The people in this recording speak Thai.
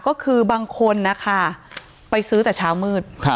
ก็คือบางคนนะคะไปซื้อแต่เช้ามืด